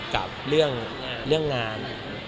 กับเรื่องงาน